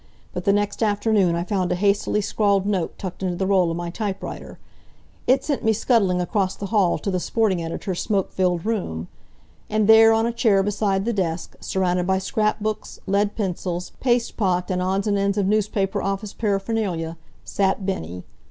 But the next afternoon I found a hastily scrawled note tucked into the roll of my typewriter. It sent me scuttling across the hall to the sporting editor's smoke filled room. And there on a chair beside the desk, surrounded by scrap books, lead pencils, paste pot and odds and ends of newspaper office paraphernalia, sat Bennie.